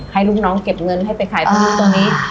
ให้ลูกน้องเก็บเงินให้ไปขายตรงนู้นตรงนี้